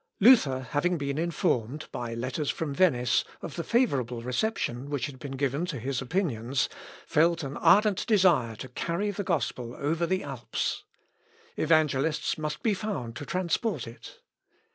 Luther having been informed, by letters from Venice, of the favourable reception which had been given to his opinions, felt an ardent desire to carry the gospel over the Alps. Evangelists must be found to transport it.